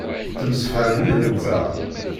Tettemsefham yid-nteɣ.